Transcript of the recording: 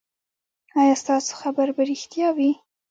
ایا ستاسو خبر به ریښتیا وي؟